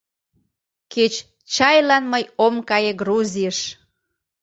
Кеч чайлан мый ом кае Грузийыш